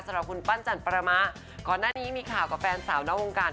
สำหรับคุณปั้นจันประมะก่อนหน้านี้มีข่าวกับแฟนสาวนอกวงการ